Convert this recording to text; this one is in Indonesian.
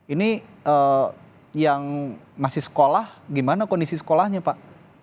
ini yang masih sekolah gimana kondisi sekolahnya pak